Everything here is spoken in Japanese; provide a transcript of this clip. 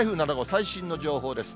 最新の情報です。